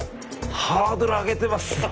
ハードル上げてます。